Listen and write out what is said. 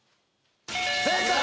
正解！